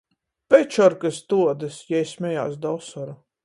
"Pečorkys tuodys!" jei smejās da osoru.